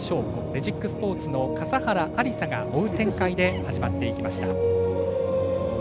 レジックスポーツの笠原有彩が追う展開で始まっていきました。